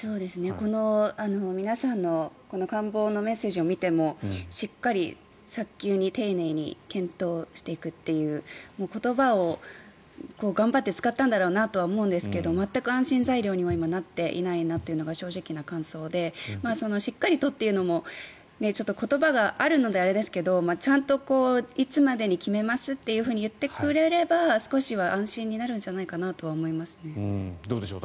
この皆さんの官房のメッセージを見てもしっかり、早急に、丁寧に検討していくという言葉を頑張って使ったんだろうなとは思うんですけど全く安心材料にも今、なっていないなというのが正直な感想でしっかりとというのも言葉があるのであれですけどもちゃんと、いつまでに決めますというふうに言ってくれれば、少しは安心になるんじゃないかなと思いますね。